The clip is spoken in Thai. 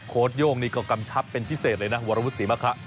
โค้ดโยกก็กำชับเป็นพิเศษเลยนะวารวุฒิมาคะ